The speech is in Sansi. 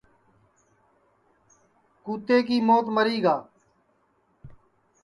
کُتے کی موت مری گا